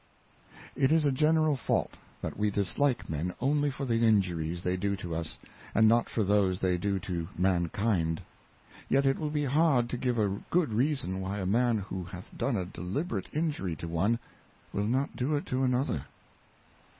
It is a general Fault that we dislike Men only for the Injuries they do to us, and not for those they do to Mankind. Yet it will be hard to give a good Reason why a Man who hath done a deliberate Injury to one, will not do it to another.